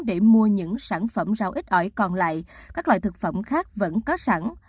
để mua những sản phẩm rau ít ỏi còn lại các loại thực phẩm khác vẫn có sẵn